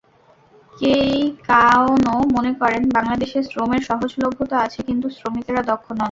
কেই কাওনো মনে করেন, বাংলাদেশের শ্রমের সহজলভ্যতা আছে, কিন্তু শ্রমিকেরা দক্ষ নন।